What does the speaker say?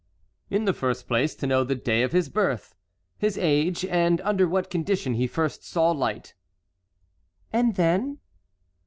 "In the first place to know the day of his birth, his age, and under what condition he first saw light." "And then?"